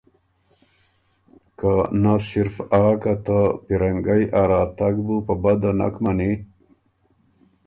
که نۀ صرف آ که ته پیرنګئ ا راتګ بُو په بده نک مَنی